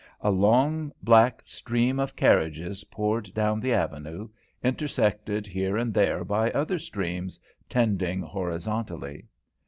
A long, black stream of carriages poured down the avenue, intersected here and there by other streams, tending horizontally.